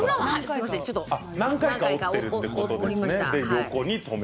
何回か折りました。